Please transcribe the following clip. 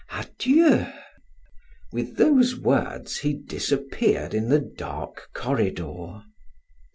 Adieu!" With those words he disappeared in the dark corridor.